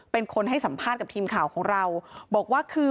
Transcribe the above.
เป็นคนให้สัมภาษณ์กับทีมข่าวของเราบอกว่าคือ